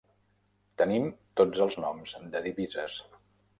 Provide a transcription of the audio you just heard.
Tenim tots els noms de divises.